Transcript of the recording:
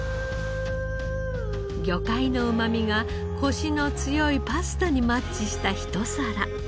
魚介のうまみがコシの強いパスタにマッチしたひと皿。